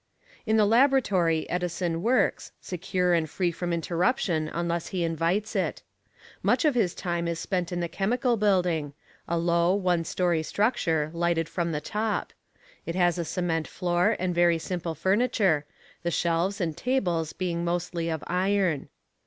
In the Laboratory, Edison works, secure and free from interruption unless he invites it. Much of his time is spent in the Chemical Building, a low, one story structure, lighted from the top. It has a cement floor and very simple furniture, the shelves and tables being mostly of iron.